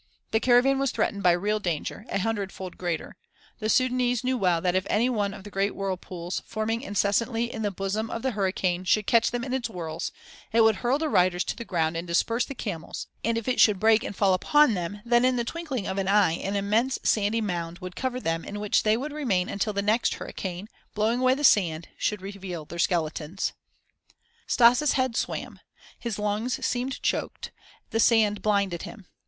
The caravan was threatened by real danger, a hundredfold greater. The Sudânese well knew that if any one of the great whirlpools, forming incessantly in the bosom of the hurricane, should catch them in its whirls, it would hurl the riders to the ground and disperse the camels, and if it should break and fall upon them then in the twinkling of an eye an immense sandy mound would cover them in which they would remain until the next hurricane, blowing away the sand, should reveal their skeletons. Stas' head swam, his lungs seemed choked, and the sand blinded him.